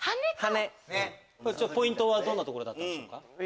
ポイントはどんなところだったんでしょう？